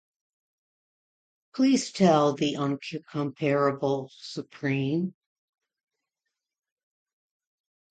Please tell, the uncomparable supreme.